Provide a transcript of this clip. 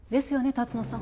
龍野さん